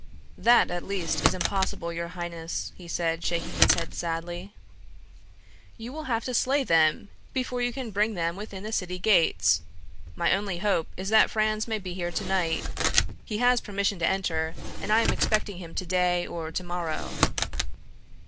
"That, at least, is impossible, your highness," he said, shaking his head sadly. "You will have to slay them before you can bring them within the city gates. My only hope is that Franz may be here tonight. He has permission to enter, and I am expecting him to day or to morrow."